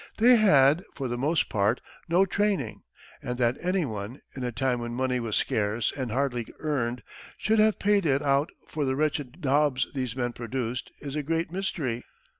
They had, for the most part, no training, and that anyone, in a time when money was scarce and hardly earned, should have paid it out for the wretched daubs these men produced is a great mystery.